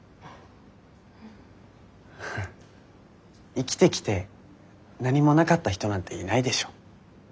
生きてきて何もなかった人なんていないでしょ。